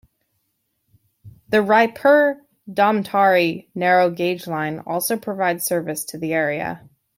The Raipur-Dhamtari narrow-gauge line also provides service to the area.